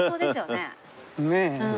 ねえ。